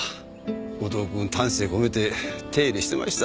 後藤くん丹精込めて手入れしてましたわ。